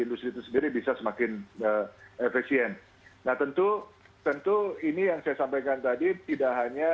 ini yang saya sampaikan tadi tidak hanya